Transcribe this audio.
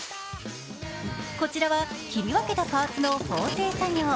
こちらは、切り分けたパーツの縫製作業。